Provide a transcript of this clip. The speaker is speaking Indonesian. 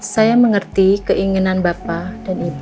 saya mengerti keinginan bapak dan ibu